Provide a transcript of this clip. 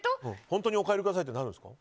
本当にお帰りくださいってなるんですか？